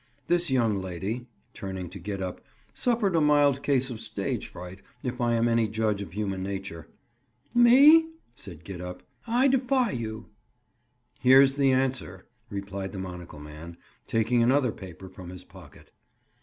This young lady," turning to Gid up, "suffered a mild case of stage fright, if I am any judge of human nature." "Me?" said Gid up. "I defy you." "Here's the answer," replied the monocle man, taking another paper from his pocket.